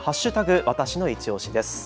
わたしのいちオシです。